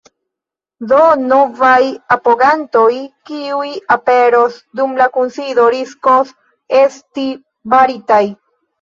Do novaj apogantoj, kiuj aperos dum la kunsido, riskos esti baritaj.